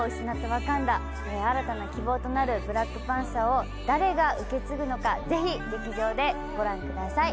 ワカンダ新たな希望となるブラックパンサーを誰が受け継ぐのか是非劇場でご覧ください